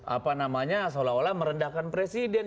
apa namanya seolah olah merendahkan presiden